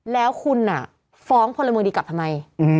แล้วคุณฟ้องพลเมืองดีกลับทำไม